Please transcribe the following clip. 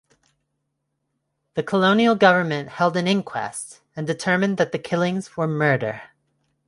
The colonial government held an inquest and determined that the killings were murder.